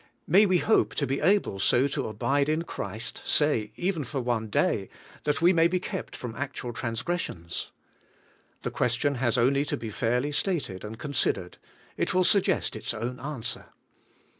May we hope to be able so to abide in Christ, say, even for THAT YOU MAY NOT SIN, 203 one day, that we may be kept from actual transgres sions? The question has only to be fairly stated and considered, — it will suggest its own answer.